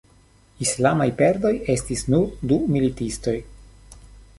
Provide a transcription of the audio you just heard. Islamaj perdoj estis nur du militistoj.